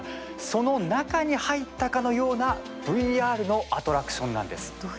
その中に入ったかのようなＶＲのアトラクションなんです。